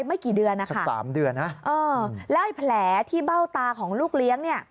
ไม่กี่เดือนนะคะเออแล้วไอ้แผลที่เบ้าตาของลูกเลี้ยง